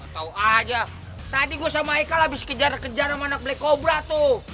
tau aja tadi gua sama eka habis kejaran kejaran sama anak black cobra tuh